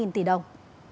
sáu mươi hai tỷ đồng